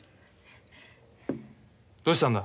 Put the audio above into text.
どうしたんだ？